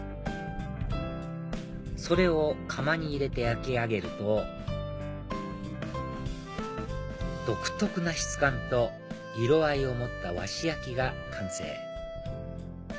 それを窯に入れて焼き上げると独特な質感と色合いを持った和紙焼が完成